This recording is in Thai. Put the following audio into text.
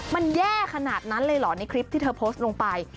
มันแย่ขนาดนั้นเลยเหรอในคลิปที่เธอโพสต์ลงไป